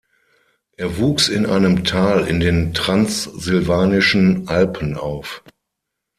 Er wuchs in einem Tal in den Transsilvanischen Alpen auf.